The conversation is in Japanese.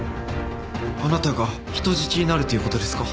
あなたが人質になるという事ですか？